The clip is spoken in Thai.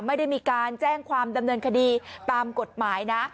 ไม่ได้มีการแจ้งความดำเนินคดีตามกฎหมายนะ